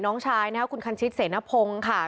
น้องชายนะครับคุณคันชิตเสนพงศ์ค่ะ